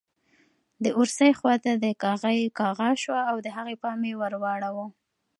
د اورسۍ خواته د کاغۍ کغا شوه او د هغې پام یې ور واړاوه.